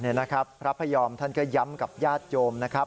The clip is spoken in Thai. นี่นะครับพระพยอมท่านก็ย้ำกับญาติโยมนะครับ